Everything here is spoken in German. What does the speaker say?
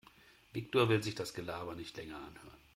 Viktor will sich das Gelaber nicht länger anhören.